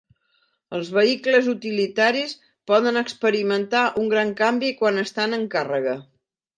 Els vehicles utilitaris poden experimentar un gran canvi quan estan en càrrega.